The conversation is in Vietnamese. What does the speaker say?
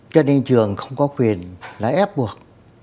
cho nên trường không có quyền là ép buộc